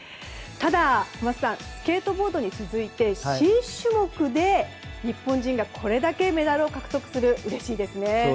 ただ、小松さんスケートボードに続いて新種目で日本人がこれだけメダルを獲得するうれしいですね。